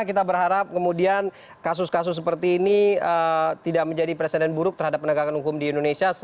kita berharap kemudian kasus kasus seperti ini tidak menjadi presiden buruk terhadap penegakan hukum di indonesia